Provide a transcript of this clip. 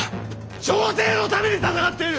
朝廷のために戦っている！